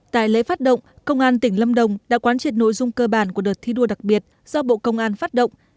tại lễ phát động công an tỉnh lâm đồng đã quán triệt nội dung cơ bản của đợt thi đua đặc biệt do bộ công an phát động